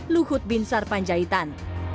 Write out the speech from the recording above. luhut binsar panjaitan